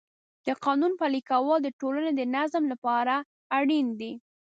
د قانون پلي کول د ټولنې د نظم لپاره اړین دی.